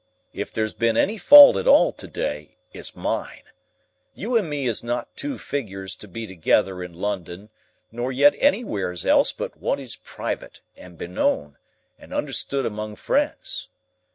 If there's been any fault at all to day, it's mine. You and me is not two figures to be together in London; nor yet anywheres else but what is private, and beknown, and understood among friends.